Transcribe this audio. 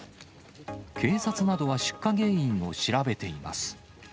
警察などは出火原因を調べています。